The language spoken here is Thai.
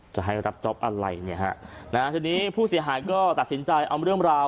จะให้รับจ๊อปอะไรเนี่ยฮะนะฮะทีนี้ผู้เสียหายก็ตัดสินใจเอาเรื่องราว